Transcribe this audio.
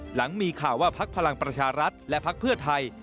หลังมีข่าวว่าพักพลังประชารัฐและพักเพื่อไทย